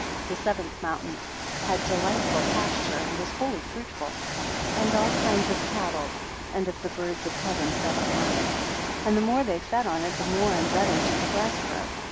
8 The seventh mountain had delightful pasture, and was wholly fruitful; and all kinds of cattle, and of the birds of heaven; fed upon it; and the more they fed on it, the more and better did the grass grow.